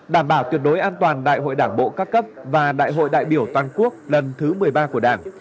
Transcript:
đảm bảo tuyệt đối an toàn đại hội đảng bộ các cấp và đại hội đại biểu toàn quốc lần thứ một mươi ba của đảng